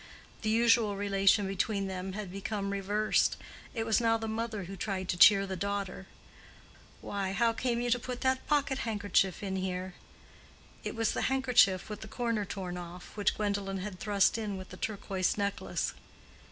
The usual relation between them had become reversed. It was now the mother who tried to cheer the daughter. "Why, how came you to put that pocket handkerchief in here?" It was the handkerchief with the corner torn off which Gwendolen had thrust in with the turquoise necklace.